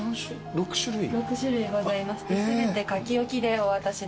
６種類ございまして全て書き置きでお渡しでございます。